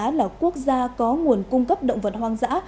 việt nam là quốc gia có nguồn cung cấp động vật hoang dã